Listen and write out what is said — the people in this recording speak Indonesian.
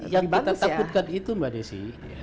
yang kita takutkan itu mbak desi